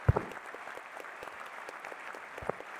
আমির, তুমি ঠিক আছ?